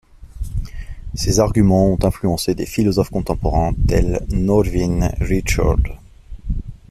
Ses arguments ont influencé des philosophes contemporains tels Norvin Richards.